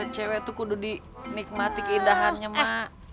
cewek tuh kudu dinikmati keindahannya mak